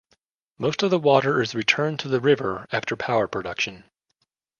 Most of the water is returned to the river after power production.